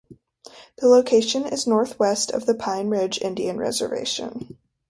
Its location is northwest of the Pine Ridge Indian Reservation.